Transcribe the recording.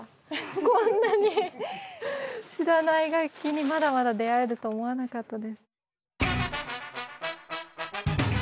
こんなに知らない楽器にまだまだ出会えると思わなかったです。